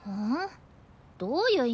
どういう意味よ？